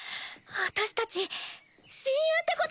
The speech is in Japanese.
私たち親友ってこと。